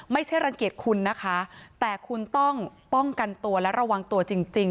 ไม่ใช่รังเกียจคุณนะคะแต่คุณต้องป้องกันตัวและระวังตัวจริง